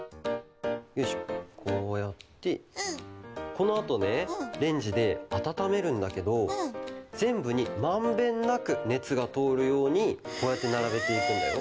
このあとねレンジであたためるんだけどぜんぶにまんべんなくねつがとおるようにこうやってならべていくんだよ。